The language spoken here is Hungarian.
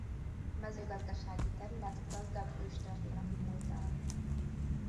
Mezőgazdasági terület gazdag őstörténeti múlttal.